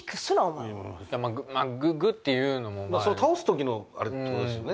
前まあグッていうのも倒す時のあれってことですよね